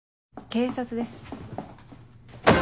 警察です。